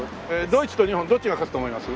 ドイツと日本どっちが勝つと思います？